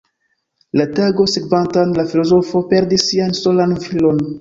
La tagon sekvantan, la filozofo perdis sian solan filon.